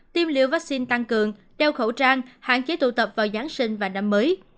tiêm liều vaccine tăng cường đeo khẩu trang hạn chế tụ tập vào giáng sinh và năm mới